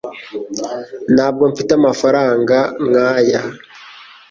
Ntabwo mfite amafaranga nkaya